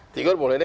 tigor boleh deh